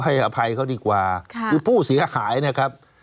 ให้อภัยเขาดีกว่าคือผู้เสียหายเนี่ยครับ